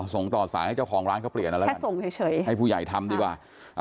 ส่งต่อสายให้เจ้าของร้านเขาเปลี่ยนอะไรแค่ส่งเฉยให้ผู้ใหญ่ทำดีกว่า